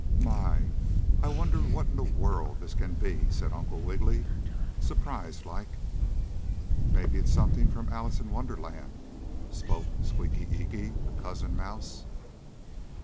"My! I wonder what in the world this can be?" said Uncle Wiggily, surprised like. "Maybe it's something from Alice in Wonderland," spoke Squeaky Eeky, the cousin mouse.